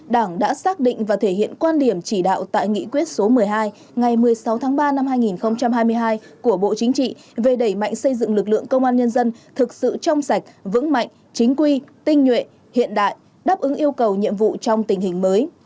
đảng đã xác định và thể hiện quan điểm chỉ đạo tại nghị quyết số một mươi hai ngày một mươi sáu tháng ba năm hai nghìn hai mươi hai của bộ chính trị về đẩy mạnh xây dựng lực lượng công an nhân dân thực sự trong sạch vững mạnh chính quy tinh nhuệ hiện đại đáp ứng yêu cầu nhiệm vụ trong tình hình mới